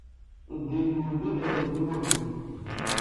Ddin-nwen d adrar n timmuhbelt.